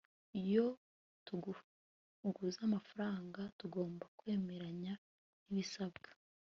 iyo tuguza amafaranga, tugomba kwemeranya nibisabwa